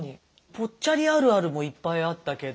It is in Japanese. ぽっちゃりあるあるもいっぱいあったけど。